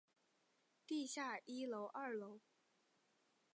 地下一楼二楼